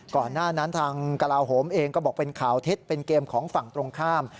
ก่อนหน้านั้นทางกระลาโหมเองก็บอกเป็นข่าวเท็จเป็นเกมของฝั่งตรงข้าม